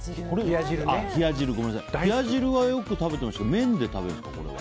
冷や汁はよく食べてましたけど麺で食べると。